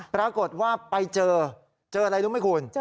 ปรากฏว่าไปเจอเจออะไรรู้ไหมคุณ